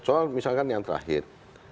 soal misalkan yang terakhir